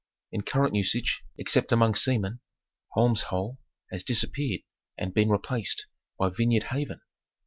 In current usage, except among seamen, Holmes' Hole has disappeared and been replaced by Vineyard Haven.